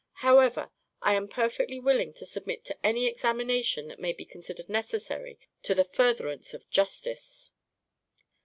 However, I am perfectly willing to submit to any examination that may be considered necessary to the furtherance of justice."